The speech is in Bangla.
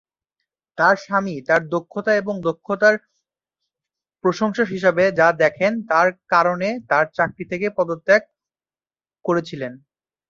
তার স্বামী তার দক্ষতা এবং দক্ষতার প্রশংসা হিসাবে যা দেখেন তার কারণে তার চাকরি থেকে পদত্যাগ করেছিলেন।